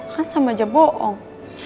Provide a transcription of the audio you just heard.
kan sama aja bohong